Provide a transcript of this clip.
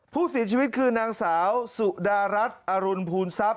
ผู้เสียชีวิตคือนางสาวสุดารัฐอรุณภูนทรัพย